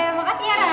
oke makasih ya ra